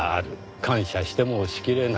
感謝してもしきれない。